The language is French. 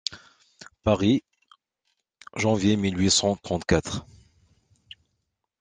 Paris, janvier mille huit cent trente-quatre.